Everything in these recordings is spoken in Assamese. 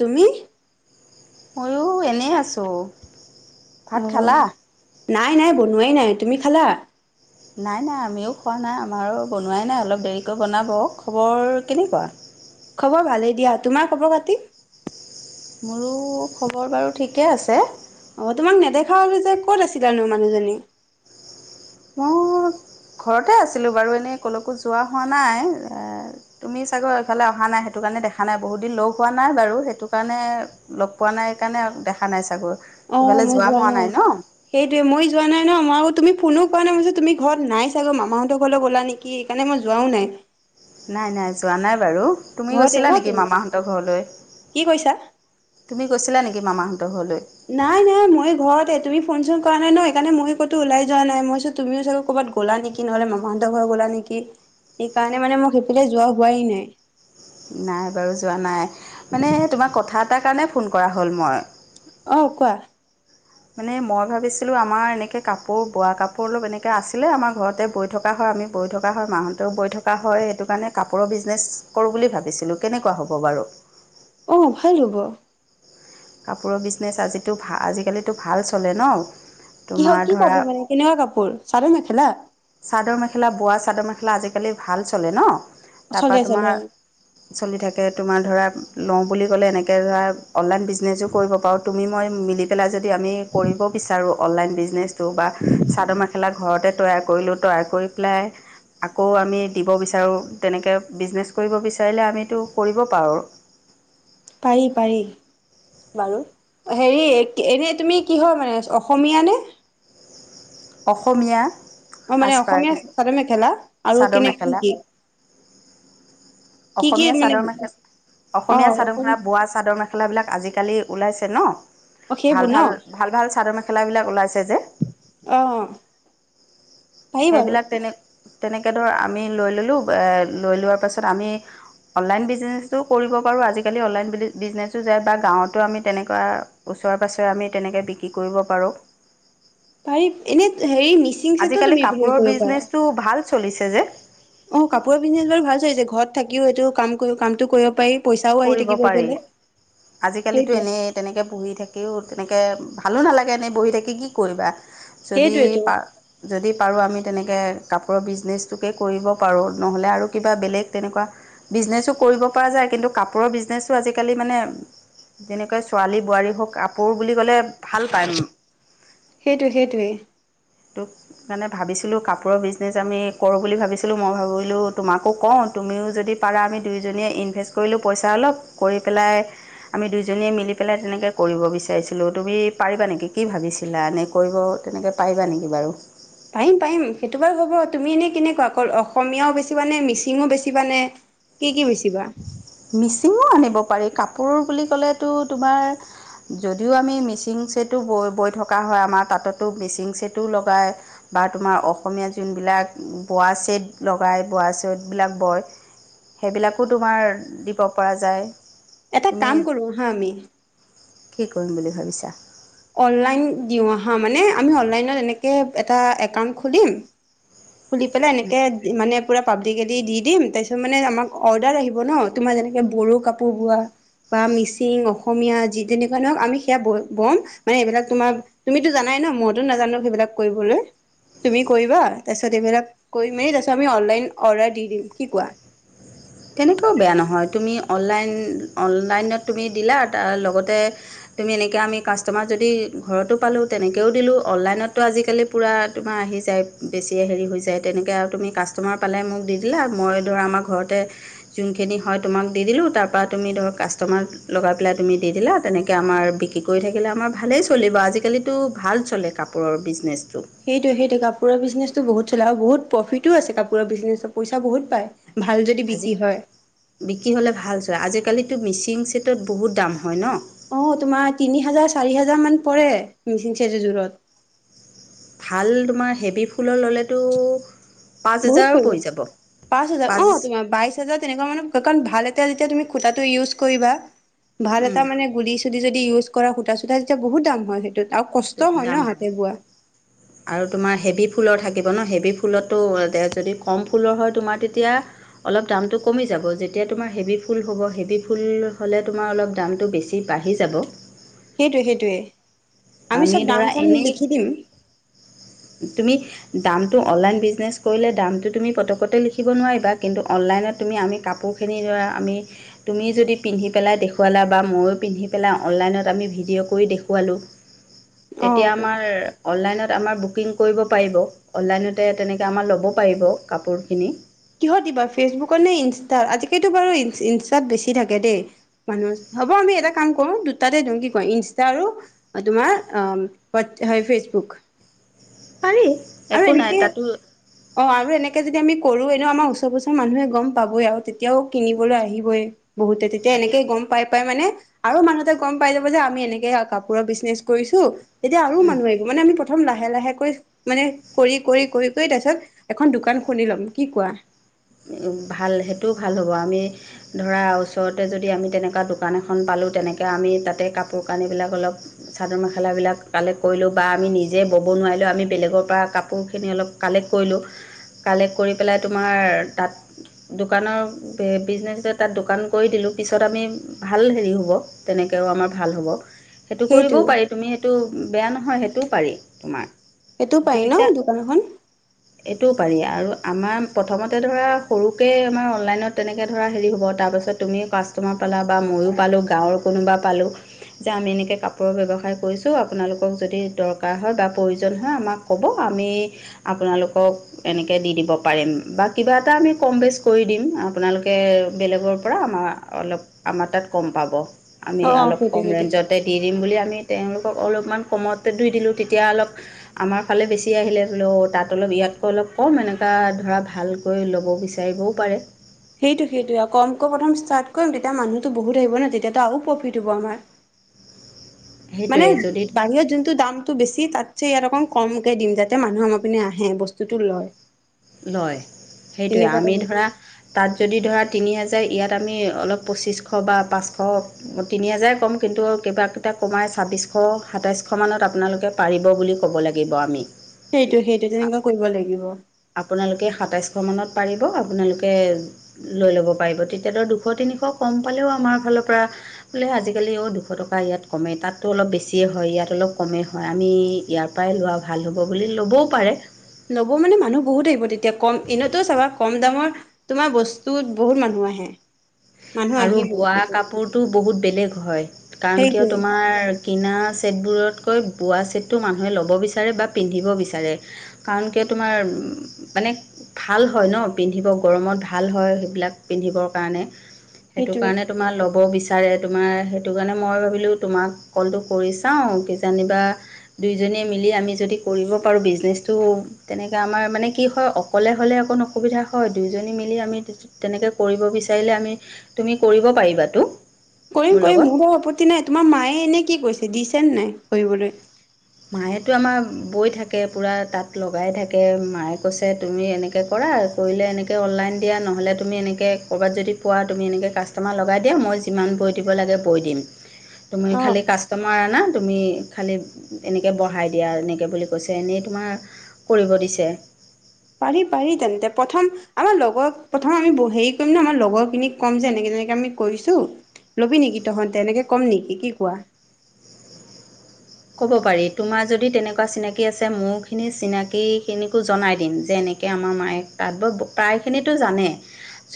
তুমি। ময়ো এনেই আছোঁ। অ ভাত খালা? নাই নাই বনোৱাই নাই। তুমি খালা? নাই নাই আমিও খোৱা নাই আমাৰো বনোৱাই নাই অলপ দেৰিকৈ বনাব। খবৰ কেনেকুৱা? খবৰ ভালেই দিয়া, তোমাৰ খবৰ খাতি? মোৰো খবৰ বাৰু ঠিকেই আছে। অ', তোমাক নেদেখা হলো যে, ক'ত আছিলানো মানুহজনী? মোৰ ঘৰতে আছিলোঁ বাৰু এনেই ক'লেকো যোৱা হোৱা নাই তুমি চাগৈ এইফালে অহা নাই সেইটো কাৰণে। কাৰণে দেখা নাই বহুত দিন লগ হোৱা নাই বাৰু সেইটো কাৰণে লগ পোৱা নাই স কাৰণে দেখা নাই চাগৈ। অ' ইফালে মই যোৱা হোৱা নাই ন সেইটোোৱে মই যোৱা নাই ন মই তুমি। কোনো কাৰ নে মইছো তুমি ঘৰত নাই চাগৈ মামাহঁতৰ ঘৰলৈ ওলা নেকি সেইণে মই যোৱাও নাই। নাই নাই যোৱা নাই বাৰু। তুমি ঘৰতে গৈছিলা ন নেকি তুমি মামাহতৰ ঘৰলৈ কি কৈছা তুমি গৈছিলা নেকি মামাহত। নাই নাই মই ঘৰততে তুমি ফোন চোন কৰা নাই ন এইকাৰণে মই কতো ওলাই যোৱা নাই মই তুমিও চাগ কব। গ'লা নেকি, নহ'লে মামাহতৰ ঘৰ গ'লা নেকি! সেইকাৰণে মানে মোক সেইফালে যোৱা হোৱাই নাই। নাই বাৰু যোৱা নাই। মানে তোমাক কথা এটাৰ কাৰণে ফোন কৰা হ'ল মই। অ', কোৱা। মানে মই ভাবিছিলোঁ আমাৰ এনেকে কাপোৰ বোৱা কাপোৰ অলপ এনেকে আছিলে আমাৰ ঘৰতে বৈ থকা হয়। আমি বৈ থকা হয় মাহতেও বৈ থকা হয়, সেইটো কাৰণে কাপোৰৰ বিজনেছ কৰো বুলি ভাবিছিলো, কেনেকুৱ হ'ব বাৰু? বাৰু। অহ, ভাল হ'ব। কাপোৰৰ বিজনেছ আজো, ভ, আজিকালিতো ভাল চলে ন? কিহ তোমাৰ কি ধৰা পাব মানে কেনেকুৱা কাপোৰ? চাদৰ মেখেলা? চাদৰ মেখেলা, বোৱা চাদৰ মেখেলা আজিকালি ভাল চলে ন? তাৰপৰা চলে তোমাৰ চলে চলি থাকে তোমাৰ ধৰা লওঁ বুলি ক'লে এনেকে ধৰা অনলাইন বিজনেছো কৰিব পাৰোঁ তুমি মই মিলি পেলাই যদি আমি কৰিব বিচাৰোঁ অনলাইন বিজনেছটো বা চাদৰ মেখেলা ঘৰতে তৈয়াৰ কৰিলো টয়াৰ কৰি পেলাই আকৌ আমি দিব বিচাৰোঁ তেনেকে বিজনেছ কৰিব বিচাৰিলে আমিতো কৰিব পাৰোঁ। পাৰি পাৰি। বাৰু। হেৰি এনে তুমি কিহৰ হয় মানে অসমীয়া নে? অসমীয়া। অ', মানে সাজপাৰ অসমীয়া চাদৰ মেখেলা আৰু চাদৰ কেনে কি মেখেলা কি? কি কি অসমীয়া মানে চাদৰ মেখেল, অ অসমীয়া চাদৰ মেখেলা অসমীয়া বোৱা চাদৰ মেখেলা বিলাক আজালি কালি ওলাইছে ন? অ সেইবোৰ ভাল ন ভাল, ভাল ভাল চাদৰ মেখেলাবিলাক ওলাইছে যে। অ পাৰি বাৰু সেইবিলাক তেনে তেনেকে ধৰ আমি লৈ ল'লো, লৈ লোৱাৰ পাছত আমি অনলাইন বিজনেছো কৰিব পাৰো আজিকালি অনলাইন বিজনেচো যায় বা গাঁৱতো আমি তেনেকুৱা চোৱাৰ পাছৰে আমি তেনেকৈ বিক্ৰী কৰিব পাৰোঁ। পাৰি এনে হেৰি মিচিং চেতও আজিকালি তুমি হেৰি কাপোৰৰ কৰিব পাৰা। বিজনেচটো ভাল চলিছে যে। অ কাপোৰৰ বিজনেছ বাৰু ভাল চলিছে ঘৰত থাকিও এইটো কাম কামটো কৰিব পাৰি। পইচাও আহি কৰিব থাকিব পাৰি। এইফালে আজিকালিটো সেইটোৱে এনেই তেনেকে বহি থাকিও তেনেক ভালো নালাগে এনেই বহি থাকি কি কৰিবা। যদি সেইটোৱেতো পা, যদি পাৰো আমি তেনেকে কাপোৰৰ বিজনেচটোকে কৰিব পাৰো, নহলে বেলেগ তেনেকুৱা বিজনেছো কৰিব পৰা যায় কিন্তু কাপোৰৰ বিজনেছো আজিকালি মানে যেনেকৈ ছোৱালী বোৱাৰী হওক কাপোৰ বুলি ক'লে ভাল পায় সেইটোৱে, সেইটোৱে। তোক মানে ভাবিছিলো কাপোৰৰ বিজনেছ আমি কৰোঁ বুলি ভাবিছিলো, মই ভাবিলোঁ তোমাকো কওঁ তোক তুমিও যদি পাৰা আমি দুইজনীয়ে ইনভেষ্ট কৰিলোঁ পইচা অলপ কৰি পেলাই আমি দুইজনীয়ে মিলি পেলাই। তেনেকৈ কৰিব বিচাৰিছিলোঁ তুমি পাৰিবা নেকি কি ভাবিছিলা নে কৰিব তেনেকৈ পাৰিবা নেকি। বাৰু। পাৰিম পাৰিম সেইটো বাৰু হ'ব তুমি এনে কেনেকুৱা অকল অসমীয়াই বেছি বানে মিচিং বেছিবানে। কি কি বেছি। মিচিঙো আনিব পাৰি কাপোৰ বুলি ক'লেতো তোমাৰ। যদিও আমি মিচিং চেটটো বৈ বৈ থকা হয় আমাৰ তাঁততো মিচিং চেটো লগাই। বা তোমাৰ অসমীয়া যোনবিলাক বোৱা চেট লগাই বোৱা চেটবিলাক বয়। সেইবিলাকো তোমাৰ দিব পৰা যায়। এটা তুমি কাম কৰো হা আমি। কি কৰিম বুলি ভাবিছা? অনলাইন দিওঁ আহা, মানে আমি অনলাইনত এনেকে এটা একাউণ্ট খুলিম খুলি পেলাই এনেকে মানে পুৰা পাব আতি কালি দি দিম তাৰপিছত মানে আমাক অৰ্ডাৰ আহিব ন? তোমাৰ যেনেকে বড়ো কাপোৰ বোৱা। বা মিচিং অসমীয়া যি তেনেকুৱা নহক আমি সেয়া বম, মানে এইবিলাক তোমাৰ, তুমিতো জানাই নাই ন মইতো নাজানো সেইবিলাক কৰিবলৈ। তুমি কৰিবা। তাৰ পিছত এইবিলাক কৈ মেলি তাৰপিছত আমি অনলাইন অৰ্ডাৰ দি দিম কি কোৱা। তেনেকৈ বেয়া নহয় তুমি অনলাইন অনলাইনত তুমি দিলা তাৰ লগতে। তুমি এনেকে আমি কাষ্টমাৰ যদি ঘৰতো পালোঁ তেনেকেও দিলোঁ অনলাইনতো আজিকালি পুৰা তোমাৰ। আহি যায় বেছিয়ে হেৰি হৈ যায় তেনেকৈ আৰু তুমি কাষ্টমাৰ পালে মোক দি দিলা মই ধৰা আমাৰ ঘৰতে। যোনখিনি হয় তোমাক দি দিলোঁ তাৰপৰা তুমি ধৰ কাষ্টমাৰ লগাই পেলাই তুমি দি দিলা তেনেকে আমাৰ। আৰু বিক্ৰী কৰি থাকিলে আমাৰ ভালেই চলিব আজিকালিতো ভাল চলে কাপোৰৰ বিজনেছ। সেইটো সেইটো কাপোৰৰ বিজনেছটো বহুত চলে আৰু বহুত প্ৰফিটো আছে কাপোৰৰ বিজনেছত পইচা বহুত পায়। ভাল যদি আজি বিক্ৰী হয় বিক্ৰী হ'লে ভাল চলে আজিকালিতো মিচিং চেটত বহুত দাম হয় নহ। অহ তোমাৰ তিনি হাজাৰ চাৰি হাজাৰ মান পৰে মিচিং চেট এযোৰত। ভাল তোমাৰ হেভি ফুলৰ ল'লেতো। পাঁচ বহুত হেজাৰো পৰিব পৰি যাব পাঁচ হাজাৰ অ তোমাৰ বাইশ হাজাৰ তেনেকুৱা মানত কাৰণ ভাল এটা যেতিয়া তুমি। সূতাটো ইউচ কৰিবা ভাল উম, এটা মানে যদি গুডি সুডি ইউচ। কৰা সূতা চূতা তেতিয়া বহুত দাম হয় সেইটোত। আৰু কষ্ট হয় দাম ন হাতে বোৱা আৰু তোমাৰ হেভি ফুল থাকে। থাকিব নহ হেভি ফুলতো যদি কম ফুলৰ হয় তোমাৰ তেতিয়া অলপ দামটো কমি যাব। যেতিয়া তোমাৰ হেভি ফুল হ'ব হেভি ফুল হ'লে তোমাৰ অলপ দামটো বেছি বাঢ়ি যাব। সেইটোৱে সেইটোৱে আমি চব ধৰা দাম চাম এনেই লিখি দিম। তুমি দামটো অনলাইন বিজনেছ কৰিলে দামটো তুমি পতকতে লিখিব নোৱাৰিবা কিন্তু অনলাইন। তুমি আমি কাপোৰখিনি ধৰা আমি তুমি যদি পিন্ধি পেলাই দেখুৱালা বা মইও পিন্ধি পেলাই। অনলাইনত আমি ভিডিঅ' কৰি দেখুৱালোঁ। [inaudible] তেতিয়া সেইটো আমাৰ অনলাইনত আমাৰ বহুত। বুকিং কৰিব পাৰিব অনলাইনতে তেনেকৈ আমাৰ ল'ব পাৰিব কাপোৰখিনি। কিহত দিবা ফেচবুকত নে ইনষ্টাত আজিকালিতো বাৰু ইনষ্টাত বেছি থাকে দেই মানুহ। হ'ব আমি এটা কাম কৰোঁ দুটাতে দিওঁ কি কয় ইনষ্টা আৰু তোমাৰ হয় ফেচবুক। বুক। পাৰি। আৰু একো নাই এনেকে তাতো অ, আৰু এনেকে যদি আমি। কৰোঁ এনে আমাৰ ওচৰ পাছৰৰ মানুহে গম পাবই আৰু তেতিয়া। এতিয়াও কিনিবলৈ আহিবই বহুতে তেতিয়া এনেকে গম আহি পাই। তাৰমানে আৰু মানুহতে গ'ম পাই যাব যে আমি এনেকে কাপোৰৰ বিজনেচ কৰিছোঁ। তেতিয়া আৰু মানুহ আহিব মানে আমি প্ৰথম লাহে লাহেকৈ। মানে কৰি কৰি কৰি কৰি তাৰপিছত এখন দোকান খুলি ল'ম কি কোৱা? ভাল সেইটোও ভাল হ'ব আমি ধৰা ওচৰতে যদি আমি তেনেকুৱা দোকান এখন পালোঁ। তেনেকে আমি তাতে কাপোৰ কানিবিলাক অলপ চাদৰ-মেখেলা বিলাক কালেক্ট কৰিলোঁ বা আমি নিজেই বহি। ব'ব নোৱাৰিলোঁ আমি বেলেগৰ পৰা কাপোৰখিনি অলপ কালেক্ট কৰিলোঁ, কালেক্ট কৰি পেলাই তোমাৰ তাত দোকানৰ বিজনেচ এ তাত দোকান কৰি দিলোঁ পিছত আমি ভাল হেৰি হ'ব তেনেকৈ তেওঁ আমাৰ ভাল হ'ব সেইটো কৰিবও পাৰি তুমি সেইটো বেয়া নহয় সেইটোও পাৰি তোমাৰ সেইটো পাৰি ন দুইটা দোকান এখন এইটোও পাৰি আৰু আমাৰ প্ৰথমতে ধৰা সৰুকৈ আমাৰ অনলাইনত তেনেকৈ ধৰা হেৰি হ'ব তাৰপাছত তুমি কাষ্টমাৰ পালা বা ময়ো পালোঁ। গাঁৱৰ কোনোবা পালো। যে আমি এনেকে কাপোৰৰ ব্যৱসায় কৰিছোঁ আপোনালোকক যদি দৰকাৰ হয় বা প্ৰয়োজন হয় আমাক ক'ব। আমি আপোনালোকক এনেকৈ দি দিব পাৰিম বা। কিবা এটা আমি কম বেছ কৰি দিম আপোনালোকে বেলেগৰ পৰা আমাৰ অলপ আমাৰ তাত কম পাব। আমি অ অলপ সেইটো কম সেইটো ৰেঞ্জতে দি দিম বুলি আমি। তেওঁলোকক অলপমান কমতে দি দিলোঁ। তেতিয়া অলপ আমাৰ ফালে বেছি আহিলে ধৰিলেও তাত অলপ ইয়াত। [unintelligible] অলপ কম এনেকুৱা ধৰা ভালকৈ ল'ব বিচাৰিবও পাৰে। সেইটো সেইটো আৰু কমকৈ প্ৰথম ষ্টাৰ্ট কৰিম তেতিয়া মানুহটো বহুত আহিব নহ তেতিয়াতো আৰু প্ৰফিট হ'ব আমাৰ। [inaudible] মানে সেইটোৱে যদি ধৰা বাহিৰত যোনটো দামতটো বেছি তাত ইয়াত অকণ কমকে দিম যাতে মানুহপিনে আহে বস্তুতটো লয়। লয়, সেইটোৱে তেনেকুৱা আমি টাইপৰ ধৰা তাত যদি ধৰা তিনি হাজাৰ ইয়াত তাত আমি অলপ পঁচিছশ বা পাঁচশ তিনি হাজাৰ ক'ম কিন্তু কিবা কেইটা কমাই ছাব্বিছশ এশ সাতাইছশ মানত আপোনালোকে পাৰিব বুলি ক'ব লাগিব আমি সেইটো সেইটো তেনেকুৱা কৰিব লাগিব। আপোনালোকে সাতাইশ মানত পাৰিব আপোনালোকে লৈ ল'ব পাৰিব, তেতিয়া দুশ তিনি এশ কম পালেও আমাৰ ফালৰ পৰা বোলে আজিকালিও দুশ টকা ইয়াত কমে তাতো অলপ বেছিয়ে হয়। ইয়াত অলপ কমেই হয় আমি ইয়াৰ পৰাই লোৱা ভাল হ'ব বুলি ল'বও পাৰে। ল'ব মানে মানুহ বহুত আহিব তেতিয়া কম এনেতো চাবা কম দামৰ তোমাৰ বস্তুত বহুত মানুহ আহে। [inaudible] আৰু আহিবই বোৱা সেইটো কাপোৰটো বহুত বেলেগ হয় কাৰণ কিয় সেইটোৱে তোমাৰ কিনা ছেটবোৰতকৈ বোৱা ছেটটো মানুহে ল'ব বিচাৰে বা পিন্ধিব বিচাৰে কাৰণ মানে ভাল হয় ন পিন্ধিব গৰমত ভাল হয় সেইবিলাক পিন্ধব কাৰণে মানে সেইটো সেইটোৱে কাৰণে তুমাৰ ল'ব বিচা বিছাৰে‌ তুমাৰ সেইটো কাৰণে মই ভাবিলো তুমাক কলটো কৰি চাও, জানিবা দুয়োজনী মি আমি যদি কৰিব পাৰো বিজনেছটো তেনেকে আমাৰ মানে কি হয় অকলে হ'লে অকন অশুবিধা সুবিধা হয় দুইজনী মিলি আমি তেনেকে কৰিব বিচাৰিলে আমি তুমি কৰিব পাৰিবাটো। কৰিম কৰিম মোৰ বাৰু আপত্তি নাই তোমাৰ মায়ে এনে কি কৰিছে দিছে ন নাই কৰিবলৈ মায়েতো আমাৰ বৈ থাকে পুৰা তাত লগাই থাকে মায়ে কৈছে তুমি এনেকে কৰা কৰিলে এনেকে অনলাইন দিয়া নহ'লে তুমি এনেকে ক'ৰবাত যদি পোৱা তুমি এনেকে কাষ্টমাৰ লগাই দিয়া মই যিমান বৈ দিব লাগে বৈ দিম তুমি অ খালী কাষ্টমাৰ আনা তুমি খালী এনেকৈ বঢ়াই দিয়া এনেকৈ বুলি কৈছে এনেই তোমাৰ কৰিব দিছে। পাৰি পাৰি তেন্তে প্ৰথম আমাৰ লগৰ প্ৰথম আমি হেৰি কৰিম ন আমাৰ লগৰখিনি ক'ম যে এনেকে। এনেকে আমি কৰিছো ল'বি নেকি তহঁতে তেনেকে ক'ম নেকি কি কোৱা। ক'ব পাৰি তোমাৰ যদি তেনেকুৱা চিনাকি আছে মোৰ খিনি চিনি খিনিকো জনাই দিম যেনে এনেকে আমাৰ মায়ে তাত বয়, প্ৰায় খিনি‌টো জানে,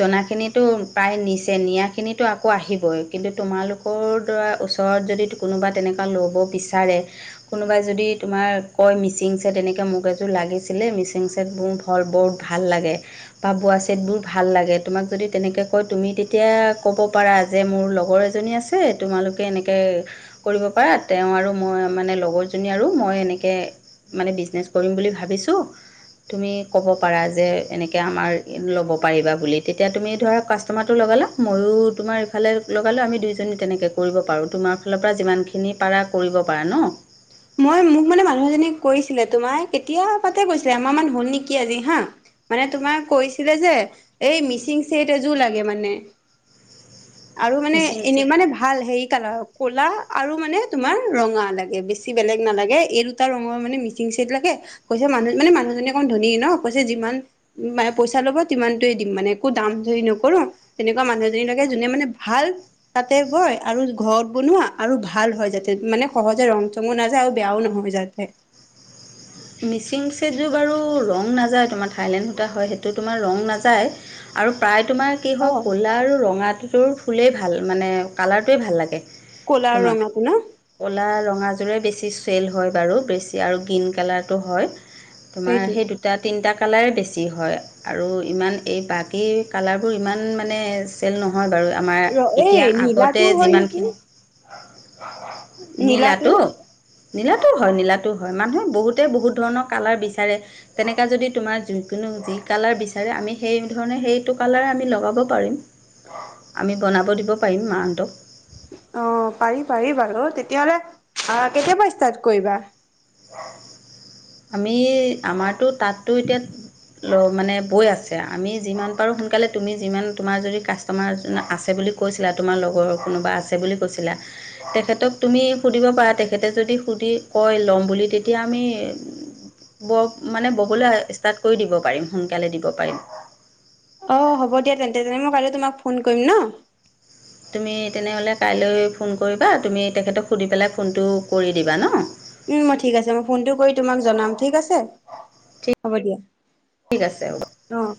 জনা‌ খিনিয়েটো প্ৰায় নিছে সেইখিনিতো আকৌ আহিবই কিন্তু তোমালোকৰ দাৰ ওচৰত যদি কোনোবা তেনেকুৱা ল'ব বিচ পাৰে, কোনোবাই যদি তোমাৰ কয় মিচিং ছেট এনেকৈ মোক এযোৰ লাগিছিলে মিচিং ছেটবোৰ ভৰ ভাল লাগে বা বোৱা ছেটবোৰ ভাল লাগে তোমাক যদি তেনেকে কয় তুমি তেতিয়া ক'ব পাৰা যে, মোৰ লগৰ এজনী আছে তোমালোকে এনেকে কৰিব পাৰা তেওঁৰ আৰু, মই মানে লগৰজনী আৰু মই এনেকে মানে বিজনেছ কৰিম বুলি ভাবিছোঁ তুমি ক'ব পাৰা যে এনেকে আমাৰ লব পাৰিবা বুলি, তেতিয়া তুমি ধৰা কাস্তমা লগালা, ময়ো তোমাৰ ইফালে লগালো, আমি দুইজনী তেনেকৈ কৰিব পাৰোঁ। তোমাৰ ফালৰ পৰা যিমানখিনি পাৰা কৰিব পাৰা ন? মই মোক মানে মানুহ এজনীক কৈছিলে তোমাৰ কেতিয়াবাতে কৈছিলে, এমাহ মান হ'ল নেকি আজি হা। মানে তোমাক কৈছিলে যে এই মিচিং ছেট এযোৰ লাগে মানে। আৰু মানে মিচিং এনে ছেট মানে ভাল হেৰি কালাৰ ক'লা আৰু মানে তোমাৰ ৰঙা লাগে বে বেছি বেলেগ নালাগে, এই দুটা ৰঙৰ মানে মিচিং ছেত লাগে, কৈছে মানুহ মানে মানুহনে অকন ধনী ন, কৈছে মে পইচা ল'ব তিমানয়ে দিম মানে একো দাম ধৰি নকৰো তেনেকুৱা মানুহজনীক যোনে মান ভাল তাতে বয় আৰু ঘৰত বনোৱা, আৰু ভাল হয় যাতে, মানে সহজে ৰং তমো নাযায় আৰু বেয়াও নহ যতে মিচিং ছেটযোৰ বাৰু ৰং নাযায় তোমাৰ, থাইলেণ্ড সূতা হয় সেইটো তোমাৰ ৰং নাযায়। আৰু প্ৰায় তোমাৰ কি অ হয়ক ক'লা আৰু ৰঙাটোৰ ফুলেই ভাল মানে কালাৰটোৱেই ভাল লাগে। ক'লা আৰু তোমাৰ ৰঙাটো ন কলা ৰঙা যোৰে বেছি চেল হয় বাৰু বেছি আৰু গ্ৰীণ কালাৰটো হয়। তোমাৰ সেইটোৱে সেই দুটা তিনিটাত কালাৰে বেছি হয় আৰু ইমান এই বাকী কালাৰবোৰ ইমান মানে চেল নহয় বাৰু। আমাৰ ৰ এতিয়া এই আগতে নীলাটো হয় নেকি যিমানখিনি নীলাটো? নীলাতো হয়, নীলাাটো হয়, মানুহে বহুত বহুত ধৰণৰ কালাৰ বিচাৰে, তেনেকা যদি তোমাৰ য, কোনো যি কালাৰ বিচাৰে আমি সেই ধৰণে সেইটো কালাৰে আমি লগাব পাৰিম, আমি বনাব দিব পাৰিম [unintelligible] অ', পাৰি পাৰি বাৰু তেতিয়াহলে আহ কেতিয়াবা ষ্টাৰ্ট কৰিবা? আমি আমাৰতো তাতো এতিয়া ল মানে বৈ আছে আমি যিমান পাৰোঁ সোনকালে তুমি যিমান তোমাৰ যদি কাষ্টমাৰ আছে বুলি কৈ কৈছিলা, তোমাৰ লগৰ কোনোবা আছে বুলি কৈছিলা। তেখেতক তুমি সুধিব পাৰা কয় ল'ম বুলি তেতিয়া আমি ব মানে ববলৈ ষ্টাৰ্ট কৰি দিব পাৰিম, সোনকালে দিব পাৰিম। অ', হ'ব দিয়া তেন্তে তেনে মই কাইলে তোমাক ফোন কৰিম ন। তুমি তেনেহ'লে কাইলৈ ফোন কৰিবা, তুমি তেখেতক সুধি পেলাই ফোনটো কৰি দিবা ন। উম, মই ঠিক আছে মই ফোনটো কৰি তোমাক জনাম, ঠিক আছে? হ'ব দিয়া। ঠিক আছে হ'ব। অ'।